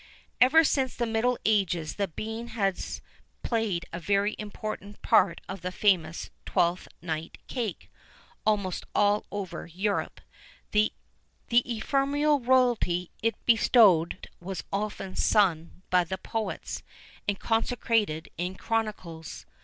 Ever since the middle ages the bean has played a very important part in the famous "Twelfth night cake," almost all over Europe. The ephemeral royalty it bestowed was often sung by the poets, and consecrated in chronicles.